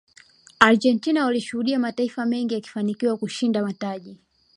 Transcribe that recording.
argentina waliishuhudia mataifa mengi yakifanikiwa kushinda mataji